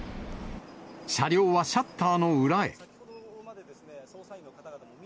車両はシャッターの裏へ。